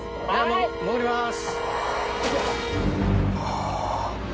潜ります。